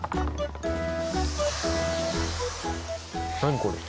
何これ？